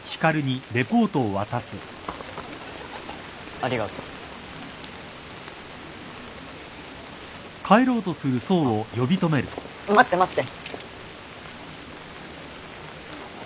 ありがとう。あっ待って待って。